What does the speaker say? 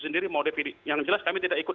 sendiri mau dpd yang jelas kami tidak ikut